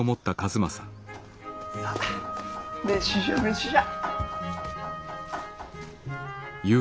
さっ飯じゃ飯じゃ。